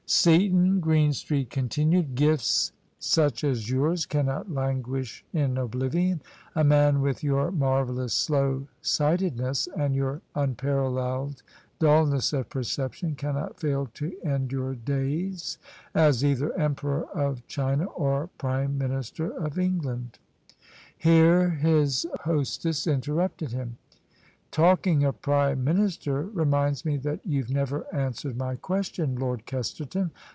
" Beaton," Greenstreet continued, " gifts such as yours cannot languish in oblivion: a man with your marvellous slow sightedness and your unparalleled dulness of perception cannot fail to end your days as either Emperor of China or Prime Minister of England." Here his hostess interrupted him. " Talking of Prime Minister reminds me that youVe never answered my ques tion. Lord Kesterton.